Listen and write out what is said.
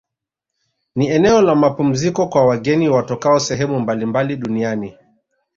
Ni eneo la mapumziko kwa wageni watokao sehemu mbalimbali duniani